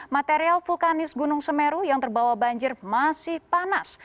material vulkanis gunung semeru yang terbawa banjir masih panas